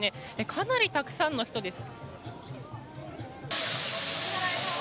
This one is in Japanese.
かなりたくさんの人です。